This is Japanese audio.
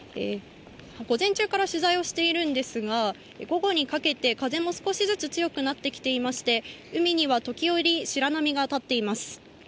午前中から取材をしているんですが、午後にかけて風も少しずつ強くなってきていまして、海には時折白波が立っています。